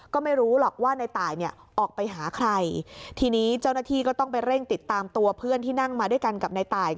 ก็ไม่รู้หรอกว่าในตายเนี่ยออกไปหาใครทีนี้เจ้าหน้าที่ก็ต้องไปเร่งติดตามตัวเพื่อนที่นั่งมาด้วยกันกับในตาย